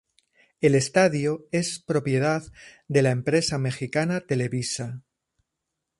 El estadio es propiedad de la empresa mexicana Televisa.